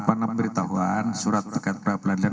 enam peritahuan surat terkait perapelan